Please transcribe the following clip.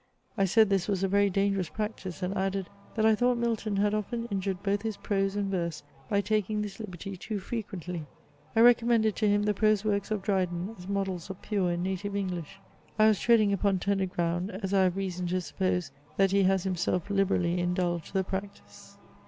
I said this was a very dangerous practice; and added, that I thought Milton had often injured both his prose and verse by taking this liberty too frequently. I recommended to him the prose works of Dryden as models of pure and native English. I was treading upon tender ground, as I have reason to suppose that he has himself liberally indulged in the practice."